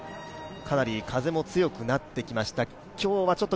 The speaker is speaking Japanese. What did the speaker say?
かなり風も強くなってきました。